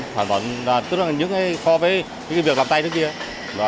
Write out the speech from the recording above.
tức là những cái pho với những cái việc làm tay trước kia